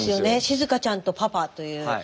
「しずかちゃんとパパ」という。